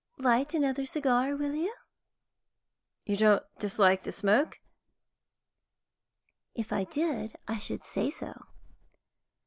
Light another cigar, will you?" "You don't dislike the smoke?" "If I did, I should say so."